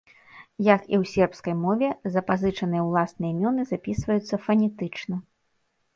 Як і ў сербскай мове, запазычаныя ўласныя імёны запісваюцца фанетычна.